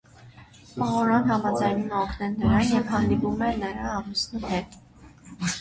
Պուարոն համաձայնում է օգնել նրան և հանդիպում է նրա ամուսնու հետ։